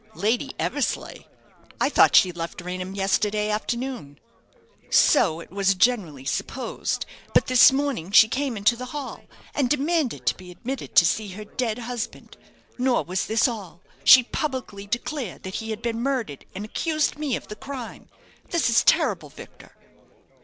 "Lady Eversleigh! I thought she left Raynham yesterday afternoon." "So it was generally supposed; but this morning she came into the hall, and demanded to be admitted to see her dead husband. Nor was this all. She publicly declared that he had been murdered, and accused me of the crime. This is terrible, Victor."